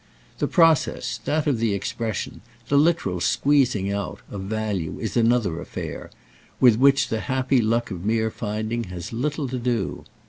The process, that of the expression, the literal squeezing out, of value is another affair—with which the happy luck of mere finding has little to do.